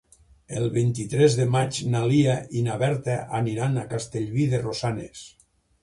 El vint-i-tres de maig na Lia i na Berta aniran a Castellví de Rosanes.